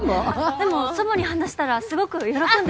でも祖母に話したらすごく喜んで。